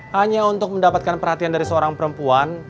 hanya untuk mendapatkan perhatian dari seorang perempuan